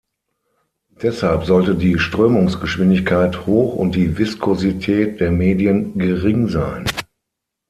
Deshalb sollte die Strömungsgeschwindigkeit hoch und die Viskosität der Medien gering sein.